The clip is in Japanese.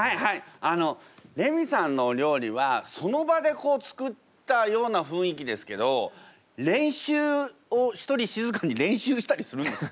あのレミさんのお料理はその場で作ったような雰囲気ですけど練習を一人静かに練習したりするんですか？